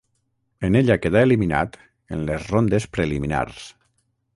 En ella quedà eliminat en les rondes preliminars.